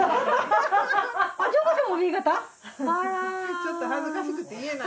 ちょっと恥ずかしくて言えない。